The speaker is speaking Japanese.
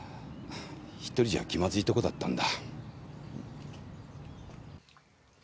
１人じゃ気まずいとこだったんだ。